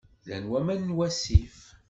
Llan waman n wasif.